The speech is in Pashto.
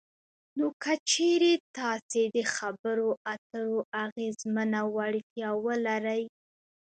نو که چېرې تاسې دخبرو اترو اغیزمنه وړتیا ولرئ